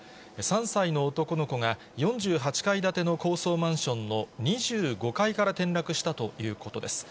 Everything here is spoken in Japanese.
３歳の男の子が４８階建ての高層マンションの２５階から転落したということです。